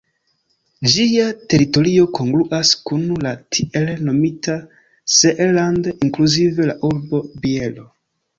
Ĝia teritorio kongruas kun la tiel nomita Seeland inkluzive la urbo Bielo.